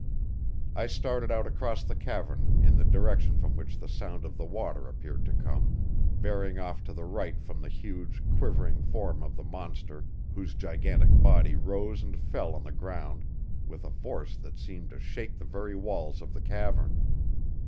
I started out across the cavern in the direction from which the sound of the water appeared to come, bearing off to the right from the huge, quivering form of the monster whose gigantic body rose and fell on the ground with a force that seemed to shake the very walls of the cavern.